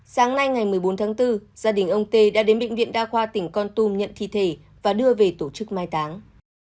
sáng nay ngày một mươi bốn tháng bốn gia đình ông tê đã đến bệnh viện đa khoa tỉnh con tum nhận thi thể và đưa về tổ chức mai táng